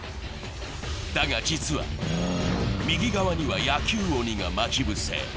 だが実は、右側には野球鬼が待ち伏せ。